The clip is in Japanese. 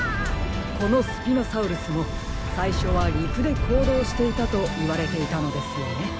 このスピノサウルスもさいしょはりくでこうどうしていたといわれていたのですよね。